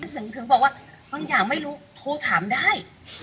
ถึงบอกว่าบางอย่างไม่รู้โทรถามได้